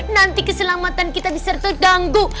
nanti keselamatan kita bisa terganggu